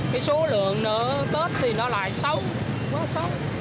cái số lượng nỡ tết thì nó lại xấu nó xấu